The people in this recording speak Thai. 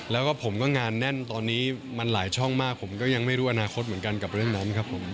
แล้วก็ผมก็งานแน่นตอนนี้มันหลายช่องมากผมก็ยังไม่รู้อนาคตเหมือนกันกับเรื่องนั้นครับผม